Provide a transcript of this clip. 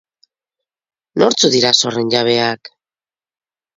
Nortzuk dira zorren jabeak?